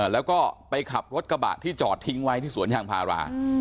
แล้วก็ไปขับรถกระบะที่จอดทิ้งไว้ที่สวนยางพารา